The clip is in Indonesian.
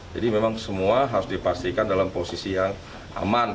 jadi memang semua harus dipastikan dalam posisi yang aman